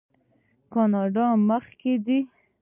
کاناډا مخکې ځي.